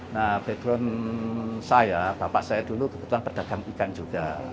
nah background saya bapak saya dulu kebetulan pedagang ikan juga